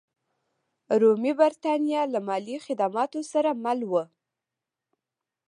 رومي برېټانیا له مالي خدماتو سره مل وه.